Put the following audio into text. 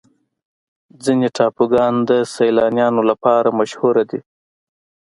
ځینې ټاپوګان د سیلانیانو لپاره مشهوره دي.